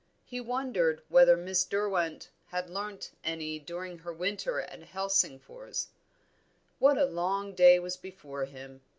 He wondered whether Miss Derwent had learnt any during her winter at Helsingfors. What a long day was before him!